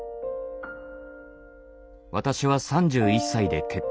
私は３１歳で結婚。